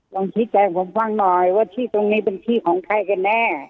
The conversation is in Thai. ลองชี้แจงผมฟังหน่อยว่าที่ตรงนี้เป็นที่ของใครกันแน่